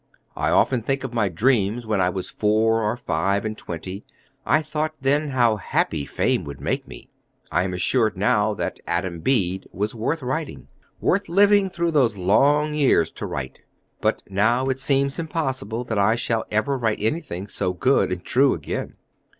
I often think of my dreams when I was four or five and twenty. I thought then how happy fame would make me.... I am assured now that Adam Bede was worth writing, worth living through those long years to write. But now it seems impossible that I shall ever write anything so good and true again."